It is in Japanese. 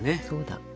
そうだ。